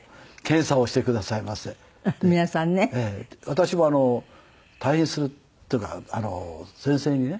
私も退院するっていうか先生にね